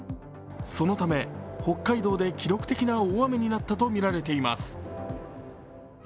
そのため北海道で記録的な大雨になったとみられています。